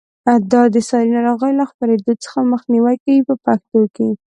دا د ساري ناروغیو له خپرېدو څخه مخنیوی کوي په پښتو کې.